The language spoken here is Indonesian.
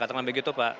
katakanlah begitu pak